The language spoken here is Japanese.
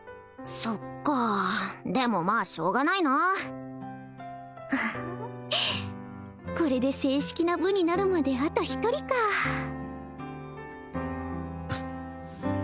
そっかでもまあしょうがないなああこれで正式な部になるまであと１人かまだ部員が増えるのか